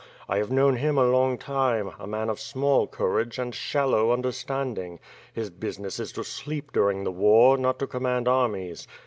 I have known him a long time, a man of small courage, and shallow understanding. His business is to sleep during the war, not to command armies.